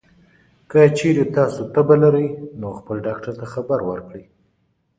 که چېرې تاسو تبه لرئ، نو خپل ډاکټر ته خبر ورکړئ.